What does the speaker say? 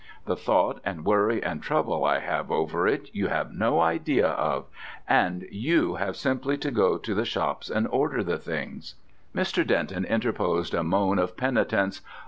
The thought and worry and trouble I have over it you have no idea of, and you have simply to go to the shops and order the things." Mr. Denton interposed a moan of penitence.